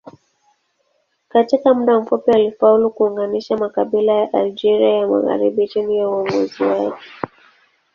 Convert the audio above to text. Katika muda mfupi alifaulu kuunganisha makabila ya Algeria ya magharibi chini ya uongozi wake.